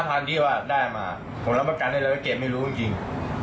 แล้วตังค์๕๐๐๐ที่ว่าได้มาผมรับประกันได้เลยก็เก็บไม่รู้จริง